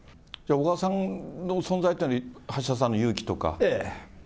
小川さんの存在っていうのは、橋田さんの勇気とか。